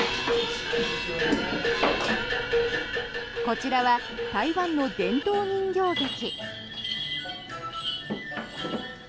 こちらは台湾の伝統人形劇。